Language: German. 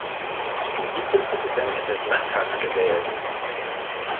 Vizepräsidenten des Landtags gewählt.